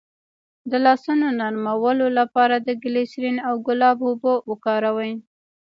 د لاسونو نرمولو لپاره د ګلسرین او ګلاب اوبه وکاروئ